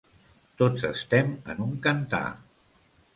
Tots estem en un cantar.